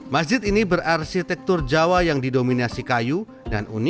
masjid ini berarsitektur jawa yang didominasi kayu dan unik